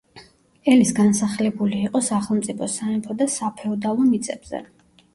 ელის განსახლებული იყო სახელმწიფო, სამეფო და საფეოდალო მიწებზე.